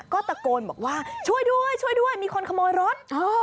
ก็ตะโกนบอกว่าช่วยด้วยมีคนขโมยรถ